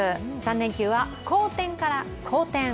３連休は好天から荒天。